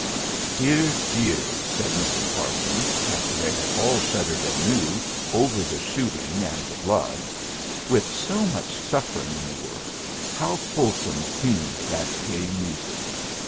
"Dear! dear!" said Mrs. Parsons, after they had all shuddered anew over the shooting and the blood. "With so much suffering in the world, how fulsome seems that gay music!"